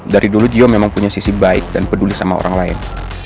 dari dulu dia memang punya sisi baik dan peduli sama orang lain